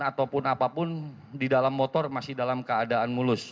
ataupun apapun di dalam motor masih dalam keadaan mulus